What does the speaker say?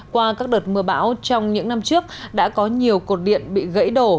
qua các đợt mưa bão trong những năm trước đã có nhiều cột điện bị gãy đổ